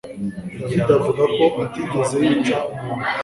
David avuga ko atigeze yica umuntu